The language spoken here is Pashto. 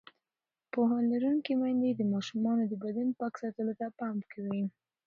پوهه لرونکې میندې د ماشومانو د بدن پاک ساتلو ته پام کوي.